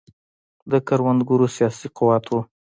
د کروندګرو سیاسي قوت و.